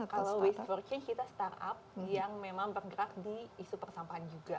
kalau waste for change kita startup yang memang bergerak di isu persampahan juga